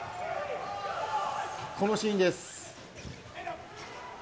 このシーンです。